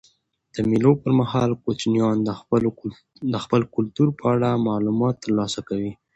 د مېلو پر مهال کوچنيان د خپل کلتور په اړه معلومات ترلاسه کوي.